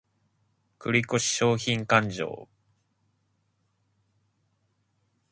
繰越商品勘定